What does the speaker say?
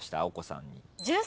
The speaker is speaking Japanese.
お子さんに。